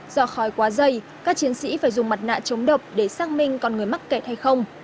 do khói quá dày các chiến sĩ phải dùng mặt nạ chống độc để xác minh còn người mắc kẹt hay không